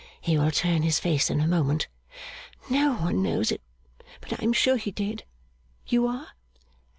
He will turn his face in a moment. No one knows it, but I am sure he did. You are?